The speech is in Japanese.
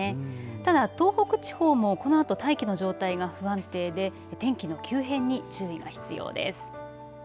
ただ、東北地方もこのあと大気の状態が不安定で天気の急変に注意が必要です。